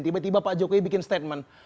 tiba tiba pak jokowi bikin statement